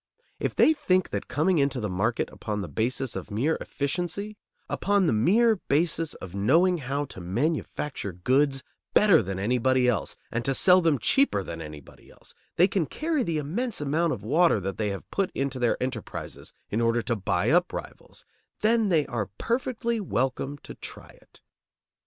If they think that coming into the market upon the basis of mere efficiency, upon the mere basis of knowing how to manufacture goods better than anybody else and to sell them cheaper than anybody else, they can carry the immense amount of water that they have put into their enterprises in order to buy up rivals, then they are perfectly welcome to try it.